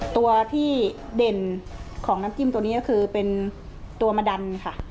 ตัวที่เด่นของน้ำจิ้มตัวนี้ก็คือเป็นตัวมะดันค่ะ